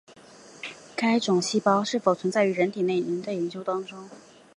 该种细胞是否存在于人体内仍在研究当中。